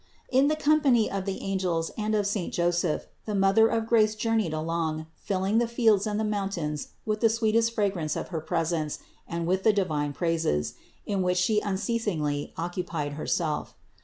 In the company of the angels and of saint Joseph, the Mother of grace journeyed along, filling the fields and the mountains with the sweetest fragrance of her pres ence and with the divine praises, in which She unceas ingly occupied Herself.